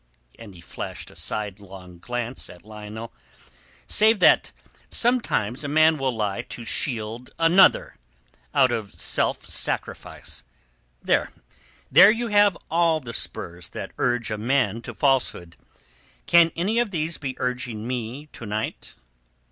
—" (and he flashed a sidelong glance at Lionel)—"save that sometimes a man will lie to shield another, out of self sacrifice. There you have all the spurs that urge a man to falsehood. Can any of these be urging me to night?